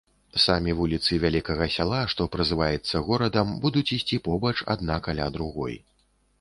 Самі вуліцы вялікага сяла, што празываецца горадам, будуць ісці побач, адна каля другой.